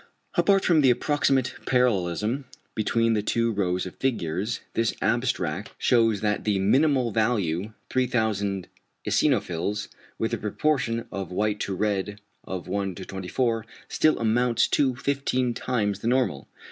Apart from the approximate parallelism between the two rows of figures, this abstract shews that the minimal value 3,000 eosinophils with a proportion of white to red of 1:24 still amounts to 15 times the normal.